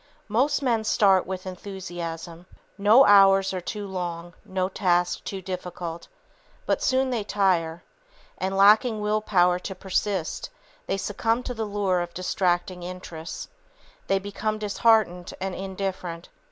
Most men start with enthusiasm. No hours are too long, no task too difficult. But soon they tire. And lacking will power to persist, they succumb to the lure of distracting interests. They become disheartened and indifferent.